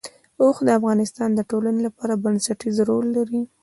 اوښ د افغانستان د ټولنې لپاره بنسټيز رول لري.